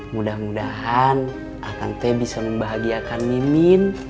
mudah mudahan akan teh bisa membahagiakan mimin